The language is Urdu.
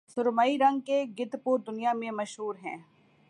سرمئی رنگ کے گدھ پوری دنیا میں مشہور ہیں